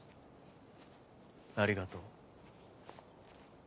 「ありがとう」。